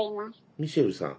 ミシェルさん。